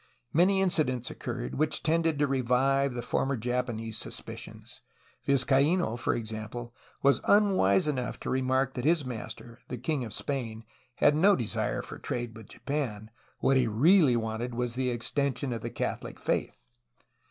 Many incidents occurred which tended to revive the former Japanese sus picions. Vizcaino, for example, was unwise enough to re mark that his master, the king of Spain, had no desire for trade with Japan; what he really wanted was the extension of the Catholic faith.